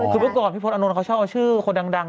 คือเมื่อก่อนพี่พลตอานนท์เขาชอบเอาชื่อคนดัง